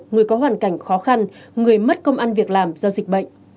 người có hoàn cảnh khó khăn người mất công ăn việc làm do dịch bệnh